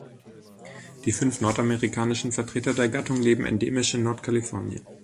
Die fünf nordamerikanischen Vertreter der Gattung leben endemisch in Nordkalifornien.